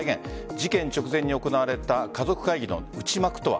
事件直前に行われた家族会議の内幕とは。